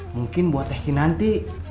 mungkin buat tehkin nanti